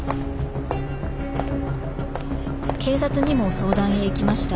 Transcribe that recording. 警察にも相談へ行きました。